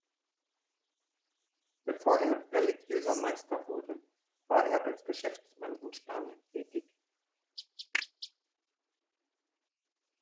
Bevor er religiöser Meister wurde, war er als Geschäftsmann in Spanien tätig.